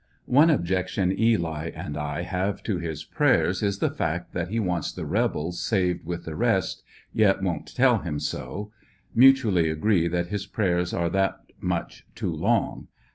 One objection Eli and I have to his prayers is the fact that he wants the rebels saved with the rest, yet don't tell him so. Mutually agree that his prayers are that much too long.